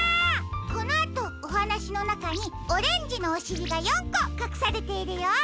このあとおはなしのなかにオレンジのおしりが４こかくされているよ。